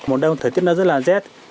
một nơi thời tiết nó rất là rét